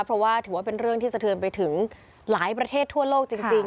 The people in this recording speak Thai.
เพราะว่าถือว่าเป็นเรื่องที่สะเทือนไปถึงหลายประเทศทั่วโลกจริง